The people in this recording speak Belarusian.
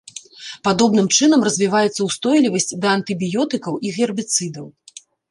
Падобным чынам развіваецца ўстойлівасць да антыбіётыкаў і гербіцыдаў.